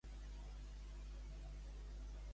Creu que es pot jugar amb l'amor?